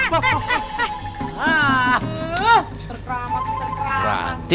suster keramas suster keramas